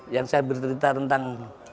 yang saya bercerita tentang